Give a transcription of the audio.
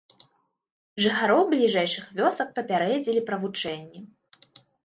Жыхароў бліжэйшых вёсак папярэдзілі пра вучэнні.